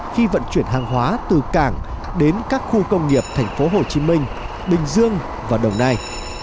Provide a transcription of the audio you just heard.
khi vận chuyển hàng hóa từ cảng đến các khu công nghiệp thành phố hồ chí minh bình dương và đồng nai